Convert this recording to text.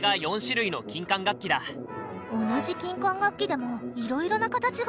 同じ金管楽器でもいろいろな形があるんだね。